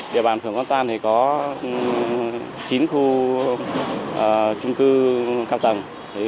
địa bàn phường quán toan có chín khu trung cư cao tầng